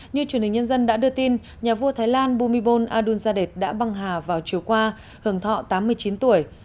như truyền hình nhân dân đã đưa tin nhà vua thái lan bumibon adunzade đã băng hà vào chiều qua hưởng thọ tám mươi chín tuổi